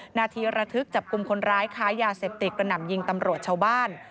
นาทีระทึกจับกลุ่มคนร้ายค้ายาเสพติดกระหน่ำยิงตำรวจชาวบ้าน